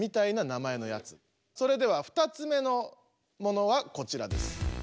それでは２つ目のものはこちらです。